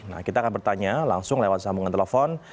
nah kita akan bertanya langsung lewat sambungan telepon